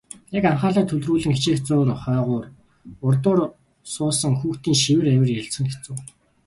Яг анхаарлаа төвлөрүүлэн хичээх зуур хойгуур урдуур суусан хүүхдийн шивэр авир ярилцах нь хэцүү.